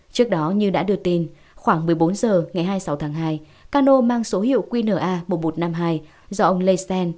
trước đó như đã đưa tin khoảng một mươi bốn h ngày hai mươi sáu tháng hai cano mang số hiệu qna một nghìn một trăm năm mươi hai do ông lee sten